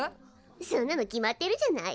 そんなの決まってるじゃない。